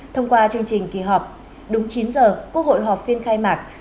thông qua chương trình kỳ họp đúng chín giờ quốc hội họp phiên khai mạc